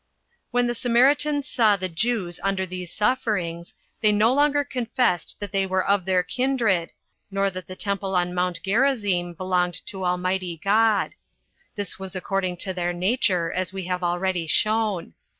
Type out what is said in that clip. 5. When the Samaritans saw the Jews under these sufferings, they no longer confessed that they were of their kindred, nor that the temple on Mount Gerizzim belonged to Almighty God. This was according to their nature, as we have already shown.